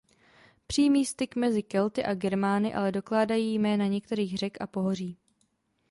Přímý styk mezi Kelty a Germány ale dokládají jména některých řek a pohoří.